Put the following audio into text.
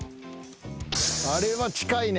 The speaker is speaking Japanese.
あれは近いね。